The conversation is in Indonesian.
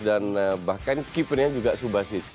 dan bahkan keepernya juga subasic